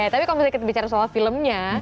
tapi kalau misalnya kita bicara soal filmnya